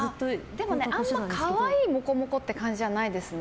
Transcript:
でも、あんまり可愛いもこもこっていう感じじゃないですね。